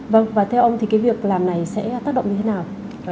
vâng và theo ông thì cái việc làm này sẽ tác động như thế nào